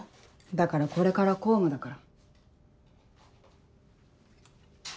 だからこれから公務だから。